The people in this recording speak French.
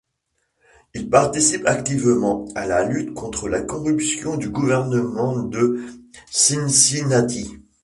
Il participe activement à la lutte contre la corruption du gouvernement de Cincinnati.